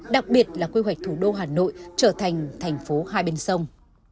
đặc biệt là quy hoạch thủ đô hà nội trở thành thành phố hai bên sông